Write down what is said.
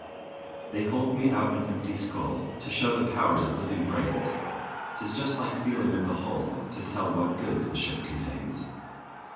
They hold me out an empty skull, To show the powers of living brains: 'T is just like feeling of the hull, To tell what goods the ship contains.